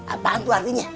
apaan tuh artinya